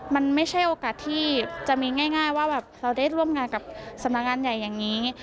มันไม่ใช่โอกาสที่จะมีง่ายว่าแบบเราได้ร่วมงานกับสำนักงานใหญ่อย่างนี้